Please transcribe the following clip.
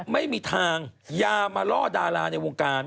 ไม่มีทางอย่ามาล่อดาราในวงการ